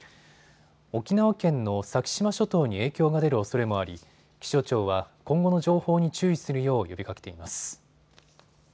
沖縄県の先島諸島に影響が出るおそれもあり気象庁は今後の情報に注意するよう呼びかけています。